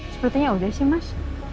sepertinya udah sih mas